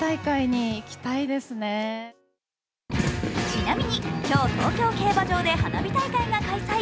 ちなみに今日、東京競馬場で花火大会が開催。